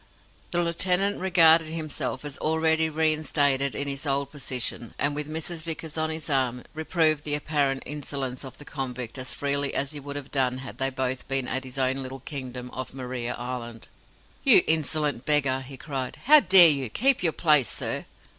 The lieutenant regarded himself as already reinstated in his old position, and with Mrs. Vickers on his arm, reproved the apparent insolence of the convict as freely as he would have done had they both been at his own little kingdom of Maria Island. "You insolent beggar!" he cried. "Do you dare! Keep your place, sir!"